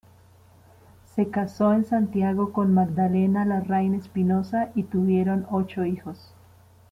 Se casó en Santiago, con "Magdalena Larraín Espinosa" y tuvieron ocho hijos.